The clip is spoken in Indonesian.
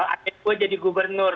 anak gue jadi gubernur